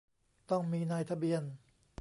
ต้องมีนายทะเบียน